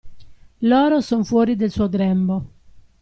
Loro son fuori del suo grembo.